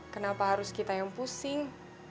kenapa harus kita yang pusing